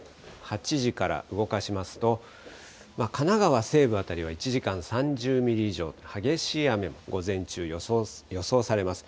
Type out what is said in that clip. ８時から動かしますと、神奈川西部辺りは、１時間３０ミリ以上の激しい雨、午前中予想されます。